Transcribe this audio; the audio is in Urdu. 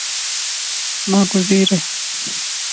نا گزیر ہے